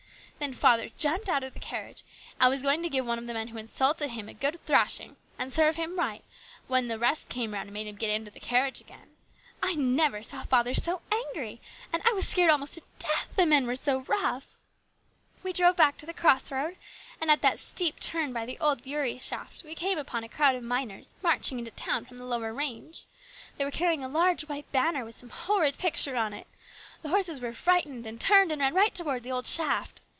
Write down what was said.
Then father jumped out of the carriage, and was going to give one of the men who insulted him a good thrashing, and serve him right, when the rest came round and made him get into the carriage again. I never saw father so angry, and I was scared almost to death, the men were so rough. We drove 22 HIS BROTHER'S KEEPER. back to the cross road, and at that steep turn by the old Beury shaft we came upon a crowd of miners marching into town from the lower range. They were carrying a large white banner with some horrid picture on it. The horses were frightened, and turned and ran right towards the old shaft.